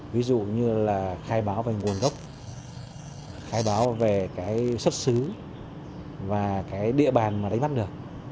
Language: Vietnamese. ví dụ như là khai báo về nguồn gốc khai báo về cái xuất xứ và cái địa bàn mà đánh bắt được